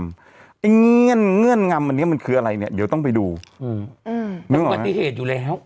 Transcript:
เงื่อนงำอันนี้มันคืออะไรเนี่ยเดี๋ยวต้องไปดูเป็นอุบัติเหตุอยู่แล้ว